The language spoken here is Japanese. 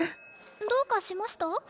どうかしました？